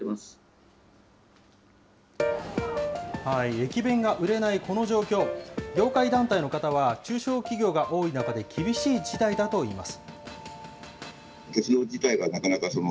駅弁が売れないこの状況、業界団体の方は、中小企業が多い中で、厳しい事態だといいます。